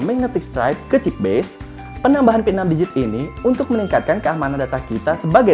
magnetic strike ke chipbase penambahan pin enam digit ini untuk meningkatkan keamanan data kita sebagai